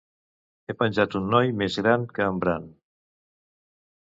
He penjat un noi més gran que en Bran.